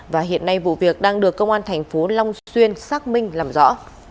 và hiện nay vụ việc đang được công an thành phố long xuyên xác minh làm rõ